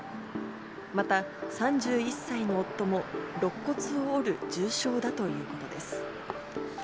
また３１歳の夫もろっ骨を折る重傷だということです。